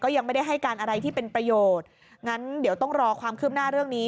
ยังไม่ได้ให้การอะไรที่เป็นประโยชน์งั้นเดี๋ยวต้องรอความคืบหน้าเรื่องนี้